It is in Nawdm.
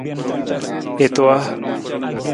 I tuwa.